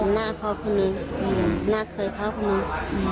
หน้าเขาคุณหนึ่งหน้าเคยเขาคุณหนึ่ง